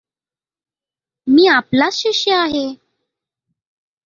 मी आपलाच शिष्य आहे.